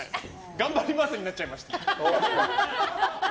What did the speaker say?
頑張りますになっちゃいました。